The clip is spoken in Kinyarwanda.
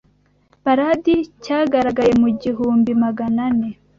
Baladi cyagaragaye mu igihumbi maganane